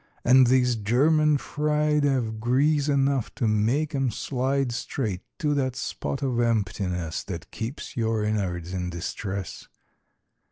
And these "German fried" 'Ave grease enough to make 'em slide Straight to that spot of emptiness That keeps your innards in distress!